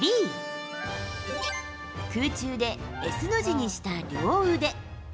Ｂ、空中でＳの字にした両腕。